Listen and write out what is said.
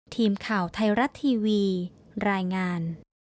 ทีมข่าวไทยรัฐทีวีรายงาน